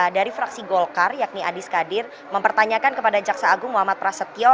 dari fraksi golkar yakni adi skadir mempertanyakan kepada jaksa agung muhammad prasetyo